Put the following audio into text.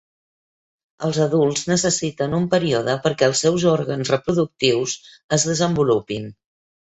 Els adults necessiten un període perquè els seus òrgans reproductius es desenvolupin.